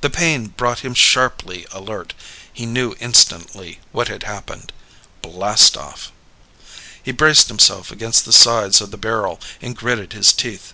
The pain brought him sharply alert. He knew instantly what had happened. Blast off. He braced himself against the sides of the barrel, and gritted his teeth.